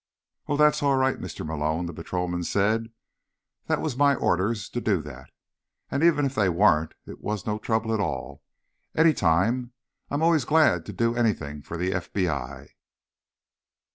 "Oh, that's all right, Mr. Malone," the patrolman said. "That was my orders, to do that. And even if they weren't, it was no trouble at all. Any time. I'd always be glad to do anything for the FBI."